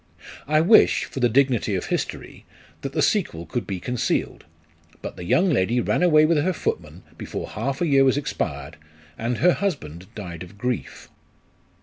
I wish, for the dignity of history, that the sequel could be concealed ; but the young lady ran away with her footman, before half a year was expired, and her husband died of grief.